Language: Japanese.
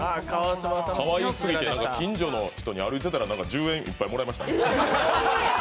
かわいすぎて、近所の人に歩いてたら１０円いっぱいもらいましたもん。